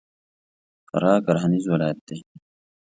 فراه کرهنیز ولایت دی.